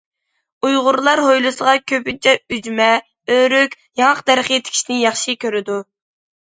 ئۇيغۇرلار ھويلىسىغا كۆپىنچە ئۈجمە، ئۆرۈك، ياڭاق دەرىخى تىكىشنى ياخشى كۆرىدۇ.